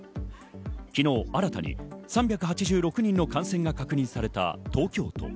昨日、新たに３８６人の感染が確認された東京都。